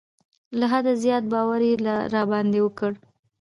له حده زیات باور یې را باندې وکړ.